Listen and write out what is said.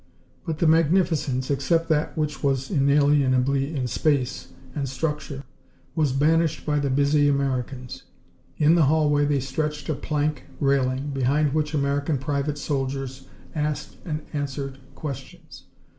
But the magnificence, except that which was inalienably in space and structure, was banished by the busy Americans. In the hallway they stretched a plank railing, behind which American private soldiers asked and answered questions.